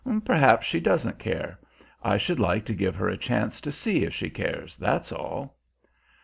"Perhaps she doesn't care. I should like to give her a chance to see if she cares, that's all."